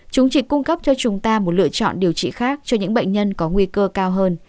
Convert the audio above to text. chúng chỉ cung cấp cho chúng ta một lựa chọn điều trị khác cho những bệnh nhân có nguy cơ cao hơn